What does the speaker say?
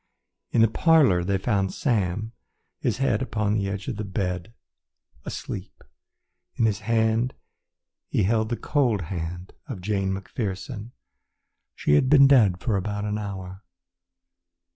In the parlour they found Sam, his head upon the edge of the bed, asleep. In his hand he held the cold hand of Jane McPherson. She had been dead for an hour.